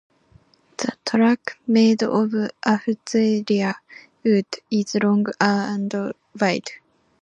The track, made of Afzelia wood, is long and wide.